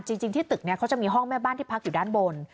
จริงที่ตึกเนี่ยเขาจะมีห้องแม่บ้านที่พักอยู่ด้านบน